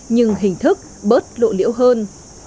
nhưng hình thức bớt lộ liễu hơn